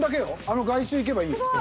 あの外周いけばいい。